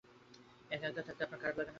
এক-একা থাকতে আপনার খারাপ লাগে না?